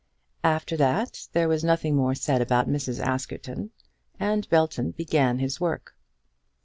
After that there was nothing more said about Mrs. Askerton, and Belton began his work.